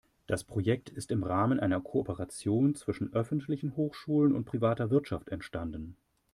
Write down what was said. Das Projekt ist im Rahmen einer Kooperation zwischen öffentlichen Hochschulen und privater Wirtschaft entstanden.